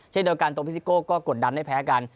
เช่นเดียวกันตรงพิซิโก้ก็กดดันไม่แพ้กัน